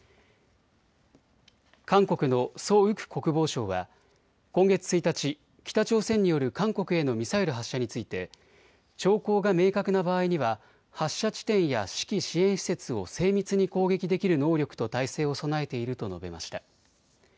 韓国のソ・ウク国防相は今月１日、北朝鮮による韓国へのミサイル発射について兆候が明確な場合には発射地点や指揮・支援施設を精密に攻撃できる能力と態勢を備えていると述べました。